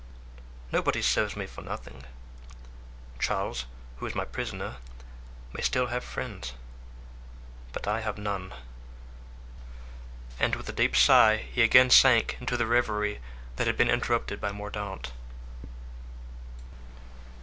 Nobody serves me for nothing. Charles, who is my prisoner, may still have friends, but I have none!" And with a deep sigh he again sank into the reverie that had been interrupted by Mordaunt.